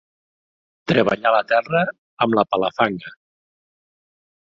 Treballar la terra amb la palafanga”.